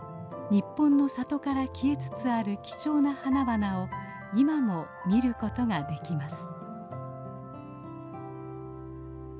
日本の里から消えつつある貴重な花々を今も見ることができます。